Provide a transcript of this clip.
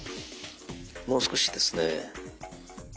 もう少しですね。